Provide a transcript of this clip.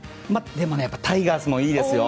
でも、タイガースもいいですよ。